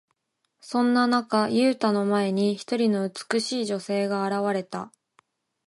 そんな中、ユウタの前に、一人の美しい女性が現れた。